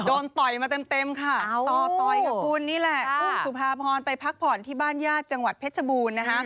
ต่อยมาเต็มค่ะต่อต่อยค่ะคุณนี่แหละอุ้มสุภาพรไปพักผ่อนที่บ้านญาติจังหวัดเพชรบูรณ์นะคะ